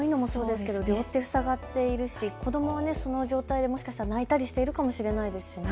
両手は塞がっているし子どもはその状態で、もしかしたら泣いているかもしれませんよね。